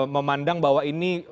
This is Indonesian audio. memandang bahwa ini